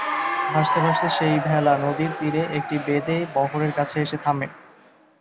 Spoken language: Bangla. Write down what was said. ভাসতে ভাসতে সেই ভেলা নদীর তীরের একটি বেদে বহরের কাছে এসে থামে।